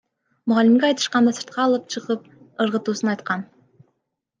Мугалимге айтышканда, сыртка алып чыгып ыргытуусун айткан.